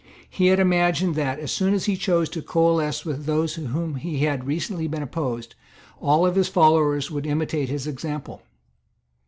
He had imagined that, as soon as he chose to coalesce with those to whom he had recently been opposed, all his followers would imitate his example.